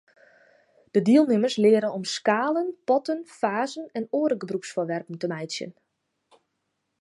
De dielnimmers leare om skalen, potten, fazen en oare gebrûksfoarwerpen te meitsjen.